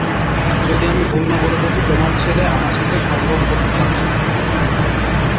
যদি আমি ভুল না বলে থাকি, তোমার ছেলে আমার সাথে সঙ্ঘম করতে চাচ্ছে।